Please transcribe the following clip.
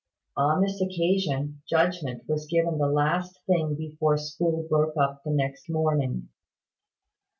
On this occasion, judgment was given the last thing before school broke up the next morning.